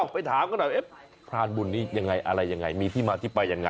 ไปถามกันหน่อยพรานบุญนี้ยังไงอะไรยังไงมีที่มาที่ไปยังไง